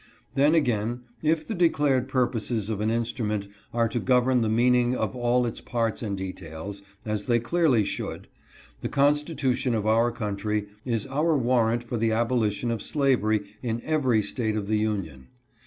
Then, again, if the declared pur 324 MRS. JULIA CROFTS. poses of an instrument are to govern the meaning of all its parts and details, as they clearly should, the Constitu tion . of our country is our warrant for the abolition of slavery in every State of the Union.